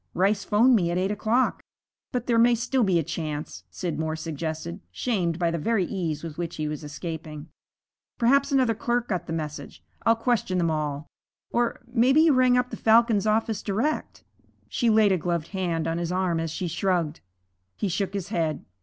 Rice 'phoned me at eight o'clock.' 'But there may still be a chance,' Scidmore suggested, shamed by the very ease with which he was escaping. 'Perhaps another clerk got the message. I'll question them all. Or maybe you rang up the Falcon's office direct.' She laid a gloved hand on his arm as she shrugged. He shook his head.